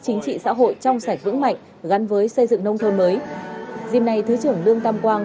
chính trị xã hội trong sạch vững mạnh gắn với xây dựng nông thôn mới dịp này thứ trưởng lương tam quang